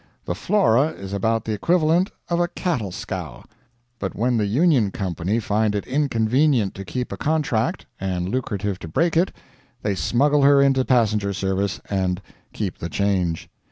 The Flora is about the equivalent of a cattle scow; but when the Union Company find it inconvenient to keep a contract and lucrative to break it, they smuggle her into passenger service, and "keep the change."